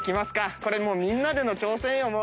これみんなでの挑戦よ。